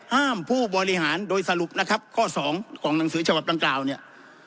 ผู้บริหารโดยสรุปนะครับข้อสองของหนังสือฉบับดังกล่าวเนี่ย